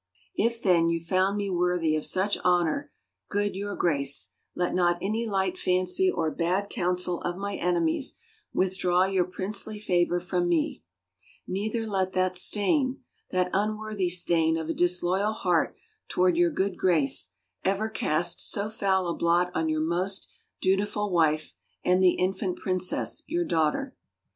If then you found me worthy of such honor, good your Grace, let not any light fancy or bad counsel of my enemies with draw your princely favor from me ; neither let that stain, that unworthy stain of a disloyal heart toward your good Grace, ever cast so foul a blot on your most dutiful wife and the infant princess, your daughter.